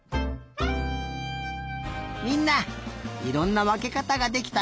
みんないろんなわけかたができたね。